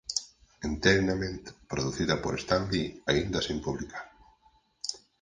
Entertainment producida por Stan Lee aínda sen publicar.